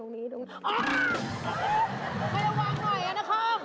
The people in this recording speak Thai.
ให้ระวังหน่อยนะนาคอม